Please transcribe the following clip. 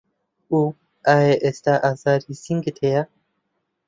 و ئایا ئێستا ئازاری سنگت هەیە؟